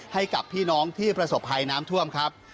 ให้กับพี่น้องที่ประสบภัยน้ำท่วมครับ